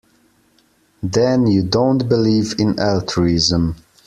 Then you don't believe in altruism.